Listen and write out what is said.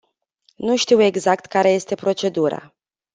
Nu știu exact care este procedura.